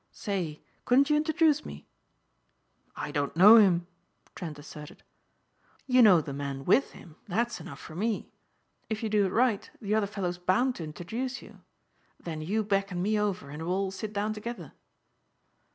Say couldn't you introduce me?" "I don't know him," Trent asserted. "You know the man with him. That's enough for me. If you do it right the other fellow's bound to introduce you. Then you beckon me over and we'll all sit down together."